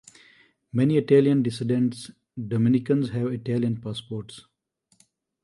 Many Italian descended Dominicans have Italian passports.